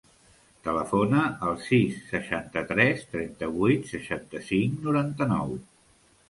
Telefona al sis, seixanta-tres, trenta-vuit, seixanta-cinc, noranta-nou.